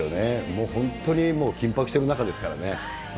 もう本当に緊迫してる中ですからね。